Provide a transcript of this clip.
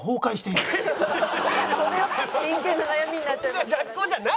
それは真剣な悩みになっちゃいます。